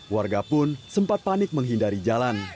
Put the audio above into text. warga pun sempat panik menghindari jalan